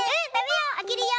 あけるよ。